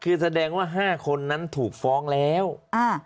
คือแสดงว่าห้าคนนั้นถูกฟ้องแล้วอ่า